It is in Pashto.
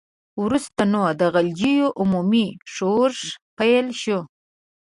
وروسته نو د غلجیو عمومي ښورښ پیل شو.